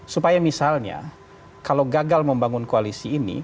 supaya misalnya kalau gagal membangun koalisi ini